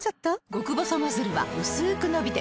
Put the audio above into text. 極細ノズルはうすく伸びて